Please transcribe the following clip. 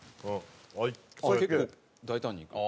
結構大胆にいく。